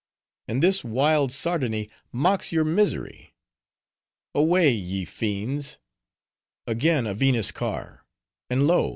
"And this wild sardony mocks your misery." "Away! ye fiends." "Again a Venus car; and lo!